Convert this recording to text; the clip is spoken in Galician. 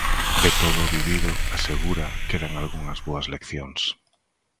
De todo o vivido, asegura, quedan algunhas boas leccións.